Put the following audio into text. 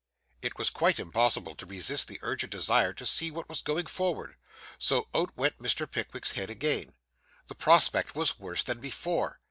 It was quite impossible to resist the urgent desire to see what was going forward. So out went Mr. Pickwick's head again. The prospect was worse than before.